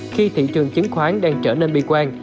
khi thị trường chứng khoán đang trở nên bi quan